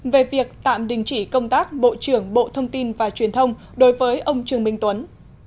về việc tạm đình chỉ công tác bộ trưởng bộ thông tin và truyền thông đối với ông trương minh tuấn